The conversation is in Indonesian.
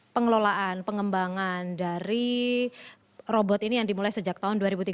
pengelolaan pengembangan dari robot ini yang dimulai sejak tahun dua ribu tiga belas